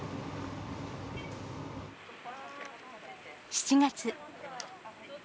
７月。